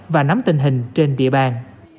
và nắm tình hình trên địa bàn